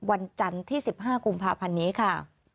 วันจันทร์ที่๑๕กุมภาพันธ์นี้ค่ะ